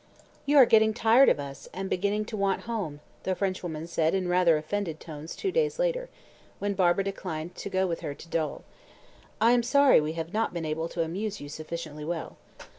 "You are getting tired of us, and beginning to want home," the Frenchwoman said in rather offended tones two days later, when Barbara declined to go with her to Dol. "I am sorry we have not been able to amuse you sufficiently well."